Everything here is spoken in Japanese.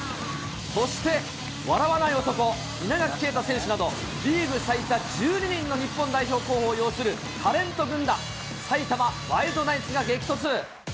そして笑わない男、稲垣啓太選手など、リーグ最多１２人の日本代表候補を擁するタレント軍団、埼玉ワイルドナイツが激突。